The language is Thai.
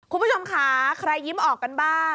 คุณผู้ชมค่ะใครยิ้มออกกันบ้าง